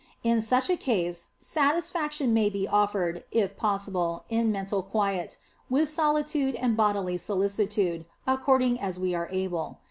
In such a case satisfaction may be offered, if possible, in mental quiet, with solitude and bodily solicitude, according as we are able.